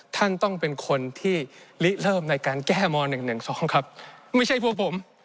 ท่านต้องเป็นคนที่ลิเริ่มในการแก้ม๑๑๒ครับไม่ใช่พวกผม